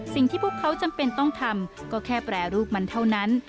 สิ่งที่พวกเขาจำเป็นต้องทำก็แค่แปรรูปมันเท่านั้น